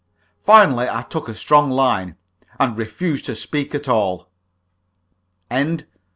Finally I took a strong line, and refused to speak at all. THE 9.